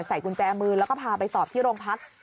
กุญแจมือแล้วก็พาไปสอบที่โรงพัก